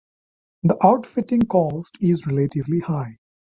The outfitting cost is relatively high.